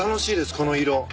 この色。